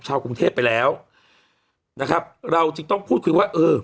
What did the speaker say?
กรุงเทพไปแล้วนะครับเราจึงต้องพูดคุยว่าเออ